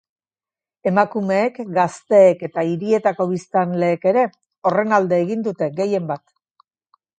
Emakumeek, gazteek eta hirietako biztanleek ere horren alde egin dute, gehienbat.